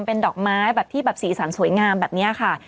เป็นดอกไม้ที่ดอกที่สีสังสวยงามแบบนี้ค่ะ